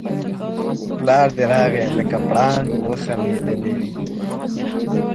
پلار دی راغی لکه پړانګ وو خښمېدلی